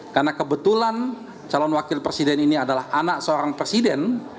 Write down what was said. karena kebetulan calon wakil presiden ini adalah anak seorang presiden